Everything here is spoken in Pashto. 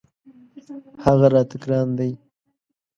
هغه راته ګران دی.